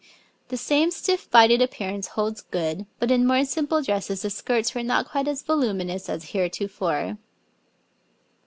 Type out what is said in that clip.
The same stiff bodied appearance holds good, but in more simple dresses the skirts were not quite as voluminous as heretofore.